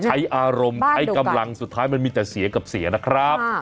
ใช้อารมณ์ใช้กำลังสุดท้ายมันมีแต่เสียกับเสียนะครับ